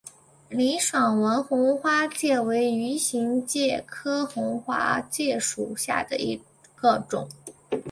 林爽文红花介为鱼形介科红花介属下的一个种。